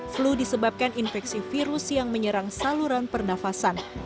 flu disebabkan infeksi virus yang menyerang saluran pernafasan